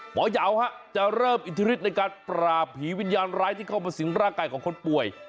ยาวจะเริ่มอิทธิฤทธิในการปราบผีวิญญาณร้ายที่เข้ามาสิงร่างกายของคนป่วย